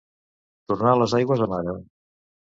Tornar les aigües a mare.